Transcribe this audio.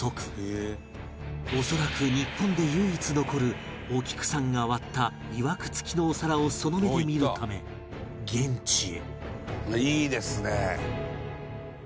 恐らく日本で唯一残るお菊さんが割ったいわくつきのお皿をその目で見るため現地へ